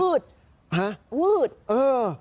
มืดฮะมืดเออ